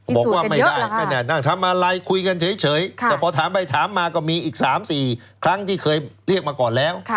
บอกว่าไม่ได้ไม่ได้นั่งทำอะไรคุยกันเฉยแต่พอถามไปถามมาก็มีอีก๓๔ครั้งที่เคยเรียกมาก่อนแล้ว